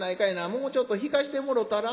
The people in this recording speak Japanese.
もうちょっと弾かしてもろたら？』